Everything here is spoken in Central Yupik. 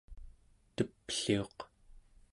tepliuq